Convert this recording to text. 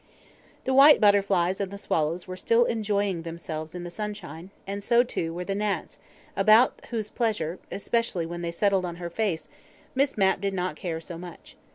The white butterflies and the swallows were still enjoying themselves in the sunshine, and so, too, were the gnats, about whose pleasure, especially when they settled on her face, Miss Mapp did not care so much.